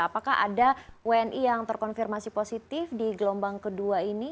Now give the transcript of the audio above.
apakah ada wni yang terkonfirmasi positif di gelombang kedua ini